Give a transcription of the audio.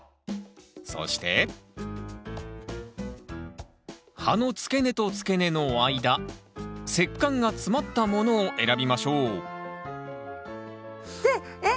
そして葉の付け根と付け根の間節間が詰まったものを選びましょうえっ？